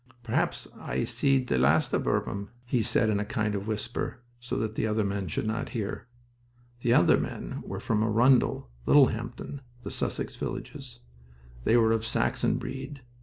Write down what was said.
"P'raps I've seed the last o' Burpham," he said in a kind of whisper, so that the other men should not hear. The other men were from Arundel, Littlehampton, and Sussex villages. They were of Saxon breed.